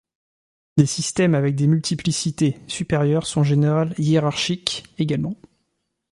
Les systèmes avec des multiplicités supérieures sont en général hiérarchiques également.